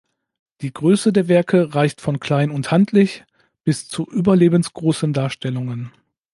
Die Größe der Werke reicht von klein und handlich bis zu überlebensgroßen Darstellungen.